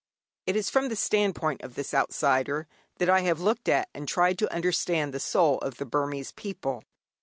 It is from the standpoint of this outsider that I have looked at and tried to understand the soul of the Burmese people.